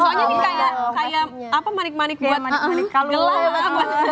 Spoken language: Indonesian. soalnya ini kayak apa manik manik buat manik manik